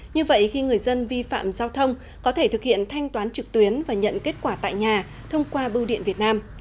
như vậy khi người dân vi phạm giao thông có thể thực hiện thanh toán trực tuyến và nhận kết quả tại nhà thông qua bưu điện việt nam